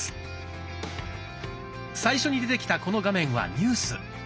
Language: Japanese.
最初に出てきたこの画面は「ニュース」。